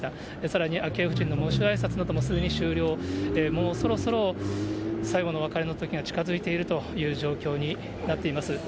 さらに昭恵夫人の喪主あいさつなどもすでに終了、もうそろそろ、最後のお別れのときが近づいているという状況になっています。